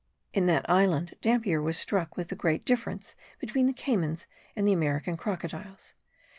In that island Dampier was struck with the great difference between the caymans and the American crocodiles.